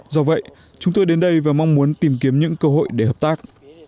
do vậy chúng tôi đến đây và mong muốn tìm kiếm những cơ hội để hợp tác